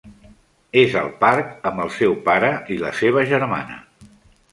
És al parc amb el seu pare i la seva germana.